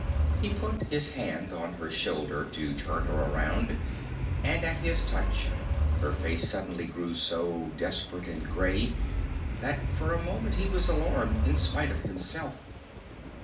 He put his hand on her shoulder to turn her around, and at his touch her face suddenly grew so desperate and gray that for a moment he was alarmed in spite of himself.